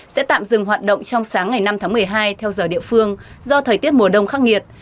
sẽ tạm dừng hoạt động trong sáng ngày năm tháng một mươi hai theo giờ địa phương do thời tiết mùa đông khắc nghiệt